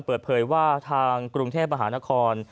เปิดเผยว่าทางกรุงเทพมหานคร